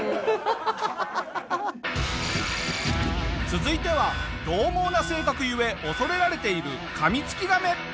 続いては獰猛な性格ゆえ恐れられているカミツキガメ。